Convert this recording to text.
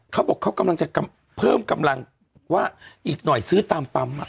เขาบอกเขากำลังจะเพิ่มกำลังว่าอีกหน่อยซื้อตามปั๊ม